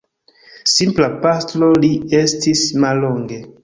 Simpla pastro li estis mallonge.